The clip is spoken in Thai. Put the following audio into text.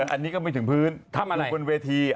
อันนี้ก็ไม่ถึงพื้นถึงที่เป็นคนเวที